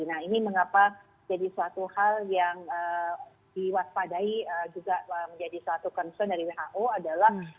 nah ini mengapa jadi suatu hal yang diwaspadai juga menjadi suatu concern dari who adalah